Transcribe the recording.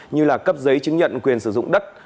như là cấp giấy chứng nhận quyền sử dụng đất